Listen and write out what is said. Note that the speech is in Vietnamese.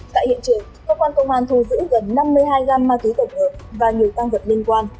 tại hiện trường cơ quan công an thu giữ gần năm mươi hai gam ma túy tổng hợp và nhiều tăng vật liên quan